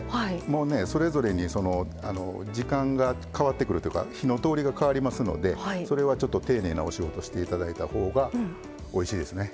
それぞれに時間が変わってくるというか火の通りが変わりますのでそれは丁寧なお仕事をしていただいたほうがおいしいですね。